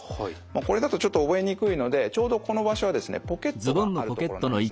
これだとちょっと覚えにくいのでちょうどこの場所はですねポケットがある所なんですね。